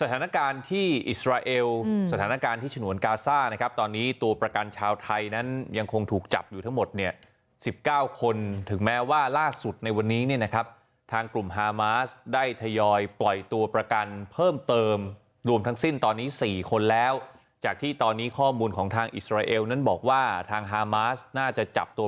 สถานการณ์ที่อิสราเอลสถานการณ์ที่ฉนวนกาซ่านะครับตอนนี้ตัวประกันชาวไทยนั้นยังคงถูกจับอยู่ทั้งหมดเนี่ยสิบเก้าคนถึงแม้ว่าล่าสุดในวันนี้นี่นะครับทางกลุ่มฮามาสได้ทยอยปล่อยตัวประกันเพิ่มเติมรวมทั้งสิ้นตอนนี้สี่คนแล้วจากที่ตอนนี้ข้อมูลของทางอิสราเอลนั้นบอกว่าทางฮามาสน่าจะจับตัว